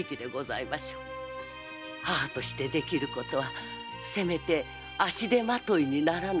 母としてできることはせめて足手まといにならぬこと。